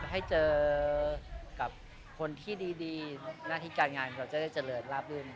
ให้เจอกับคนที่ดีหน้าที่การงานเราจะได้เจริญลาบลื่น